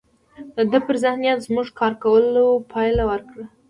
د ده پر ذهنیت زموږ کار کولو پایله ورکړه